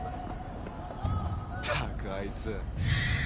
ったくあいつ。